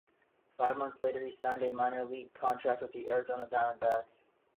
Five months later, he signed a minor league contract with the Arizona Diamondbacks.